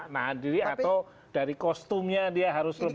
nahan diri atau dari kostumnya dia harus lebih